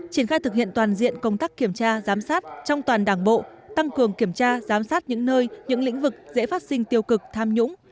triển khai thực hiện toàn diện công tác kiểm tra giám sát trong toàn đảng bộ tăng cường kiểm tra giám sát những nơi những lĩnh vực dễ phát sinh tiêu cực tham nhũng